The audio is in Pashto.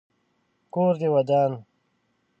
کور دي ودان .